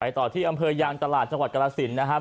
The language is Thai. ต่อที่อำเภอยางตลาดจังหวัดกรสินนะครับ